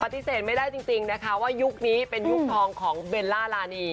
ปฏิเสธไม่ได้จริงนะคะว่ายุคนี้เป็นยุคทองของเบลล่ารานี